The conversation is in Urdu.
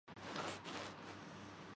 کر رہا تھا غم جہاں کا حساب